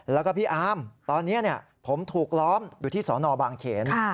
แล้วก็พี่อาร์มตอนนี้ผมถูกล้อมอยู่ที่สนบางเขน